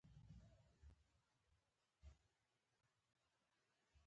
د هوایی دهلیز له لارې میوې صادریږي.